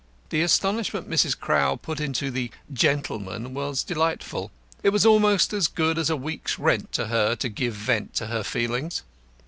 The astonishment Mrs. Crowl put into the "gentleman" was delightful. It was almost as good as a week's rent to her to give vent to her feelings.